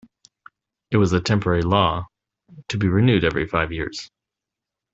It was a temporary law, to be renewed every five years.